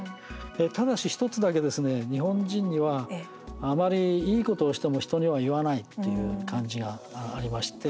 ただし、１つだけですね日本人には、あまりいいことをしても人には言わないっていう感じがありまして。